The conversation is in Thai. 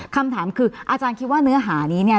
คำถามคืออาจารย์คิดว่าเนื้อหานี้เนี่ย